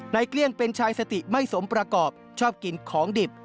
เกลี้ยงเป็นชายสติไม่สมประกอบชอบกินของดิบ